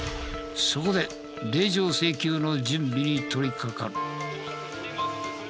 そこで令状請求の準備に取りかかる。